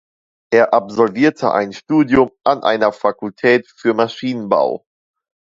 Er absolvierte ein Studium an einer Fakultät für Maschinenbau.